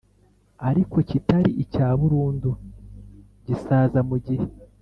Ariko kitari icya burundu gisaza mu gihe